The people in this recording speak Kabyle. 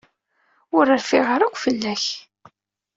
Ur rfiɣ ara akk fell-ak.